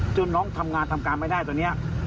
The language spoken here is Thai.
น้องทำงานทำการไม่ได้ตอนนี้